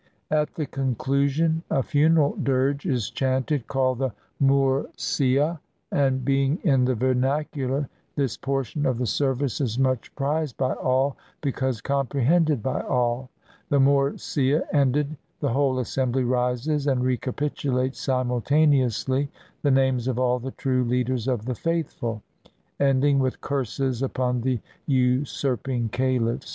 At the conclusion a funeral dirge is chanted, called the moor seah; and being in the vernacular, this portion of the service is much prized by all, because comprehended by all. The moorseah ended, the whole assembly rises, and recapitulates simultaneously the names of all the true leaders of "the faithful," ending with curses upon the usurping califs.